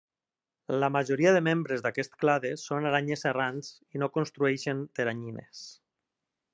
La majoria dels membres d'aquest clade són aranyes errants i no construeixen teranyines.